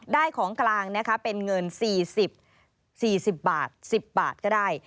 ได้ของกลางนะคะเป็นเงินสี่สิบสี่สิบบาทสิบบาทก็ได้